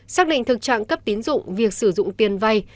xác định thực trạng cấp tín dụng việc sử dụng tiền vay